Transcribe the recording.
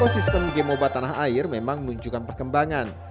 ekosistem game moba tanah air memang menunjukkan perkembangan